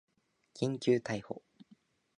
緊急逮捕